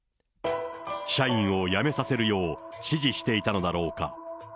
社員を辞めさせるよう、指示していたのだろうか。